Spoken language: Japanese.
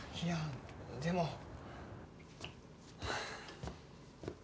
いやでも。